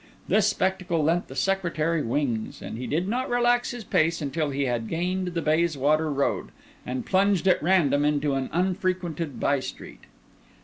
This spectacle lent the secretary wings; and he did not relax his pace until he had gained the Bayswater road, and plunged at random into an unfrequented by street.